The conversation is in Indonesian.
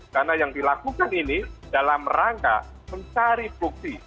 karena yang dilakukan ini dalam rangka mencari bukti